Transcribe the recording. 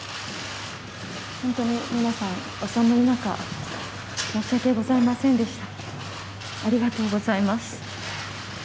本当に皆さん、お寒い中、申し訳ございませんでした。